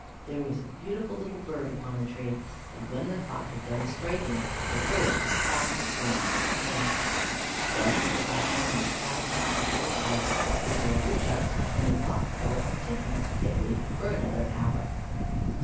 There was a beautiful little bird upon the tree, and when the clock had done striking, the bird would flap its wings and sing. Then the platform would slide back into its place, the door would shut, and the clock go on ticking quietly for another hour.